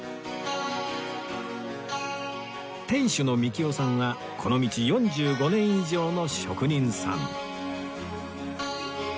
店主の三喜男さんはこの道４５年以上の職人さん